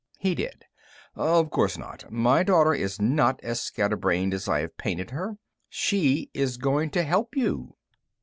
He did. "Of course not. My daughter is not as scatterbrained as I have painted her. She is going to help you."